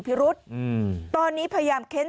โปรดติดตามต่อไป